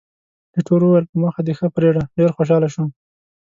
ایټور وویل، په مخه دې ښه فریډه، ډېر خوشاله شوم.